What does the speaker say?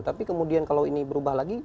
tapi kemudian kalau ini berubah lagi